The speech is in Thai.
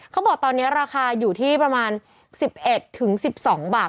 เขาบอกตอนนี้ราคาอยู่ที่ประมาณ๑๑๑๒บาทต่อกิโลกรัม